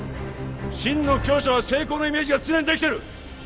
真の強者は成功のイメージが常にできてる！